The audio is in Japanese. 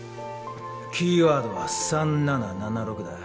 キーワードは３７７６だ。